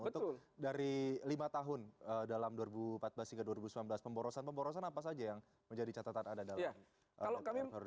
untuk dari lima tahun dalam dua ribu empat belas hingga dua ribu sembilan belas pemborosan pemborosan apa saja yang menjadi catatan anda dalam lockdown